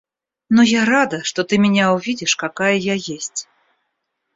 Но я рада, что ты меня увидишь какая я есть.